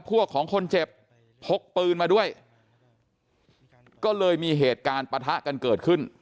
ของคนเจ็บพกปืนมาด้วยก็เลยมีเหตุการณ์ปะทะกันเกิดขึ้น